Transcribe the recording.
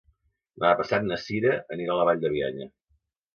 Demà passat na Cira anirà a la Vall de Bianya.